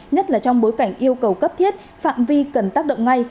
nhất là trong bối cảnh yêu cầu cấp thiết phạm vi cần tác động ngay